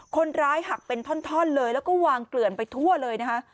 คนร้ายหักเป็นท่อนเลยแล้วก็วางเกลื่อนไปทั่วเลยนะคะ